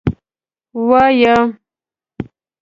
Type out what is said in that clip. وایه.